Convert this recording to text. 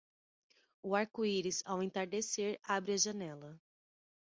O arco-íris ao entardecer abre a janela.